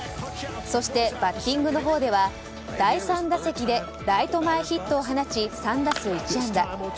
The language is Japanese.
そしてバッティングのほうでは第３打席でライト前ヒットを放ち３打数１安打。